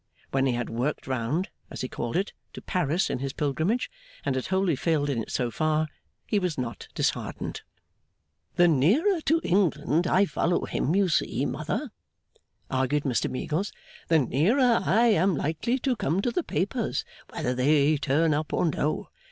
When he had 'worked round,' as he called it, to Paris in his pilgrimage, and had wholly failed in it so far, he was not disheartened. 'The nearer to England I follow him, you see, Mother,' argued Mr Meagles, 'the nearer I am likely to come to the papers, whether they turn up or no.